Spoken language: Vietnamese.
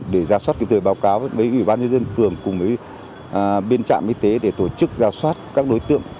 để giả soát từ thời báo cáo với ủy ban nhân dân phường cùng với biên trạm y tế để tổ chức giả soát các đối tượng